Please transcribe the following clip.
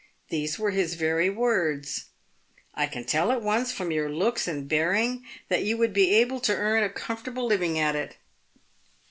These were his very words :' I can tell at once from your looks and bearing that you would be able to earn a comfortable living at it.'